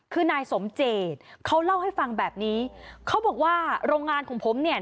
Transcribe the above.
คือนายสมเจตเขาเล่าให้ฟังแบบนี้เขาบอกว่าโรงงานของผมเนี่ย